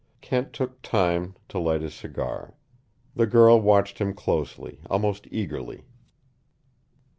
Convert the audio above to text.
Kent took time to light his cigar. The girl watched him closely, almost eagerly.